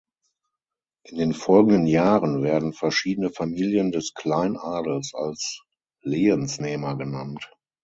In den folgenden Jahren werden verschiedene Familien des Kleinadels als Lehensnehmer genannt.